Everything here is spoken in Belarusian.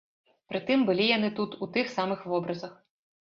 Пры тым, былі яны тут у тых самых вобразах.